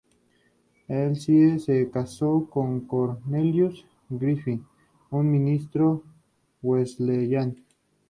Elsie se casó con Cornelius Griffin, un ministro Wesleyan.